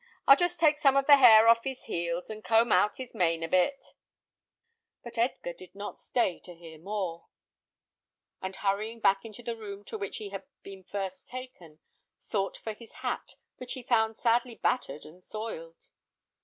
I'll just take some of the hair off his heels, and comb out his mane a bit " But Edgar did not stay to hear more, and hurrying back into the room to which he had been first taken, sought for his hat, which he found sadly battered and soiled.